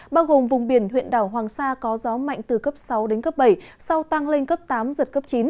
bao gồm vùng biển huyện đảo hoàng sa có gió mạnh từ cấp sáu đến cấp bảy sau tăng lên cấp tám giật cấp chín